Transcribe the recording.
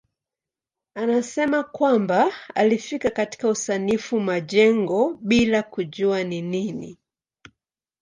Anasema kwamba alifika katika usanifu majengo bila kujua ni nini.